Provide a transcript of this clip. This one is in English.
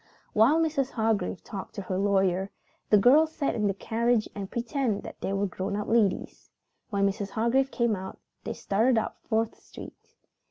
While Mrs. Hargrave talked to her lawyer, the girls sat in the carriage and pretended that they were grown up ladies. When Mrs. Hargrave came out, they started up Fourth Street.